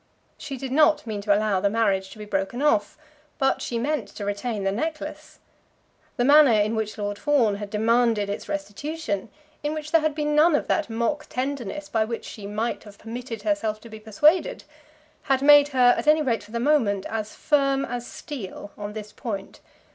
She did not mean to allow the marriage to be broken off, but she meant to retain the necklace. The manner in which Lord Fawn had demanded its restitution, in which there had been none of that mock tenderness by which she might have permitted herself to be persuaded, had made her, at any rate for the moment, as firm as steel on this point.